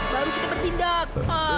baru kita bertindak